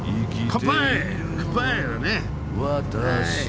乾杯！